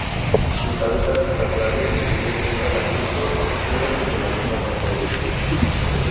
Sus hábitats naturales incluyen zonas de arbustos, ríos y marismas de agua dulce.